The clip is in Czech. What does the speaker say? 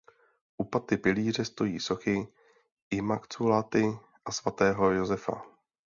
U paty pilíře stojí sochy Immaculaty a svatého Josefa.